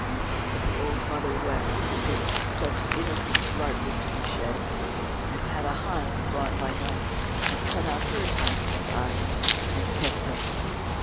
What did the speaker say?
But the old mother wept to think such innocent blood was to be shed, and had a hind brought by night and cut out her tongue and eyes, and kept them.